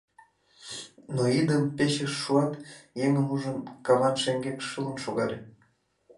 Но идым-печыш шуат, еҥым ужын, каван шеҥгек шылын шогале.